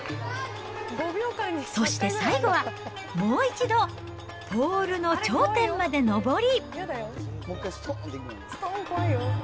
そして最後は、もう一度、ポールの頂点まで登り。